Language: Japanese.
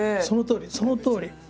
そのとおりそのとおり。